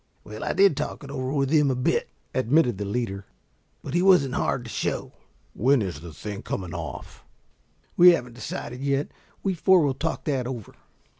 "Well, I did talk it over with him a bit," admitted the leader. "But he wasn't hard to show." "When is the thing coming off?" "We haven't decided yet. We four will talk that over.